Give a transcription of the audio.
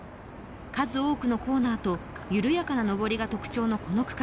数多くのコーナーと緩やかなのぼりが特徴のこの区間。